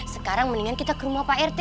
sekarang mendingan kita ke rumah pak rt